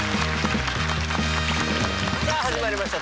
さあ始まりました